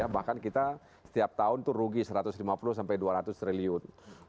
bahkan kita setiap tahun itu rugi satu ratus lima puluh sampai dua ratus triliun